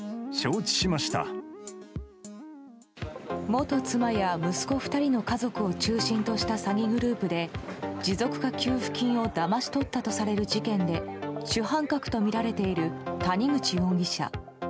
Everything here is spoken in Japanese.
元妻や息子２人の家族を中心とした詐欺グループで持続化給付金をだまし取ったとされる事件で主犯格とみられている谷口容疑者。